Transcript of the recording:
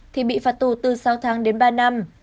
thì bị phạt tù từ sáu tháng đến ba năm